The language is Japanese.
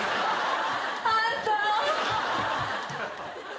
あんた。